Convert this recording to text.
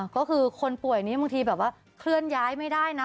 ก็คือคนป่วยนี้บางทีแบบว่าเคลื่อนย้ายไม่ได้นะ